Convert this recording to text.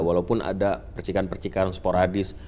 walaupun ada percikan percikan sporadis